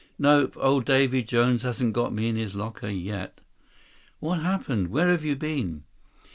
"Nope, old Davy Jones hasn't got me in his locker yet." "What happened? Where've you been?"